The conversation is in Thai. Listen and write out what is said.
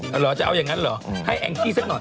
เหรอจะเอาอย่างนั้นเหรอให้แองจี้สักหน่อย